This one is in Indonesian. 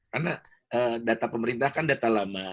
karena data pemerintah kan data lama